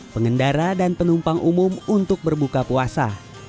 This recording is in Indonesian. pengendara dan penumpang umum untuk berbuka puasa